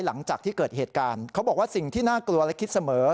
หลังจากที่เกิดเหตุการณ์เขาบอกว่าสิ่งที่น่ากลัวและคิดเสมอ